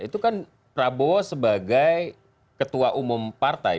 itu kan prabowo sebagai ketua umum partai